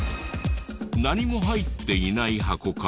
何も入っていない箱から。